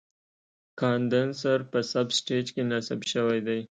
کاندنسر په سب سټیج کې نصب شوی دی.